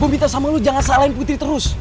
gue minta sama lu jangan salahin putri terus